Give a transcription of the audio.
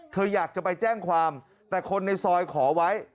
เธออยากจะไปแจ้งความแต่คนในซอยขอไว้